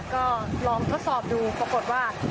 ก็ลองทดสอบดูปรากฏว่า